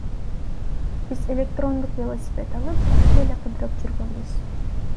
Биз электрондук велосипед алып жакшы эле кыдырып жүргөнбүз.